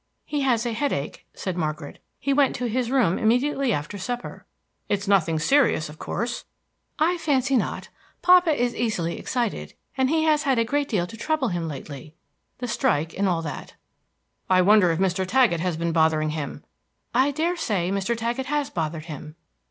"He has a headache," said Margaret. "He went to his room immediately after supper." "It is nothing serious, of course." "I fancy not; papa is easily excited, and he had had a great deal to trouble him lately, the strike, and all that." "I wonder if Mr. Taggett has been bothering him." "I dare say Mr. Taggett has bothered him."